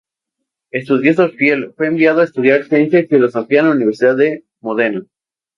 Estudioso fiel, fue enviado a estudiar ciencia y filosofía en la Universidad de Módena.